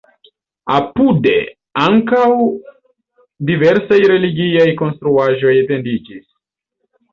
Apude ankaŭ diversaj religiaj konstruaĵoj etendiĝis.